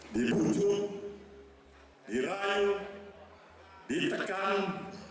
dipujuk dirayu ditekan